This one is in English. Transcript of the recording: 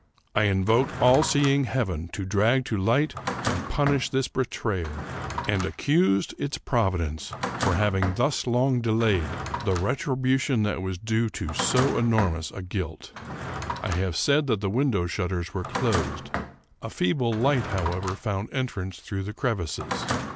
I invoked all seeing heaven to drag to light and punish this betrayer, and accused its providence for having thus long delayed the retribution that was due to so enormous a guilt. I have said that the window shutters were closed. A feeble light, however, found entrance through the crevices.